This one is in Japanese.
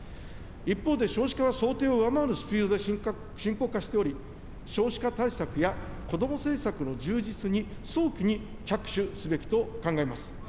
一方で、少子化は想定を上回るスピードで深刻化しており、少子化対策や子ども政策の充実に早期に着手すべきと考えます。